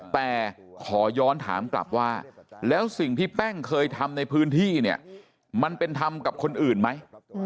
แต่ขอย้อนถามกลับว่าแล้วสิ่งที่แป้งเคยทำในพื้นที่เนี่ยมันเป็นธรรมกับคนอื่นไหม